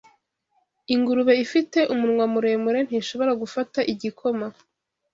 Ingurube ifite umunwa muremure ntishobora gufata igikoma